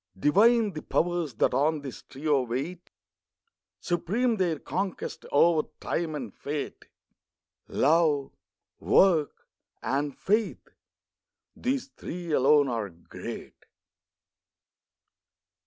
Divine the Powers that on this trio wait. Supreme their conquest, over Time and Fate. Love, Work, and Faith—these three alone are great.